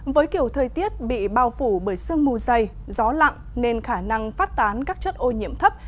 với kiểu thời tiết bị bao phủ bởi sương mù dày gió lặng nên khả năng phát tán các chất ô nhiễm thấp